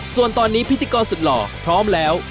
ส่วนตอนนี้พิธีกรสุดหล่อพร้อมแล้ว